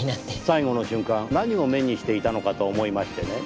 最期の瞬間何を目にしていたのかと思いましてね。